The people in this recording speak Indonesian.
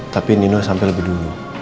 tapi nino sampai lebih dulu